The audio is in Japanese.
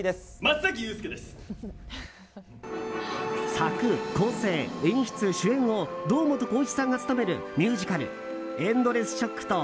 作・構成・演出・主演を堂本光一さんが務めるミュージカル「ＥｎｄｌｅｓｓＳＨＯＣＫ」と